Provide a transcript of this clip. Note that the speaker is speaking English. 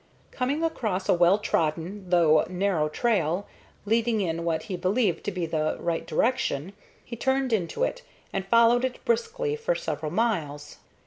Coming across a well trodden though narrow trail, leading in what he believed to be the right direction, he turned into it, and followed it briskly for several miles.